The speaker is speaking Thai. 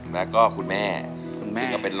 แล้วก็คุณแม่คุณแม่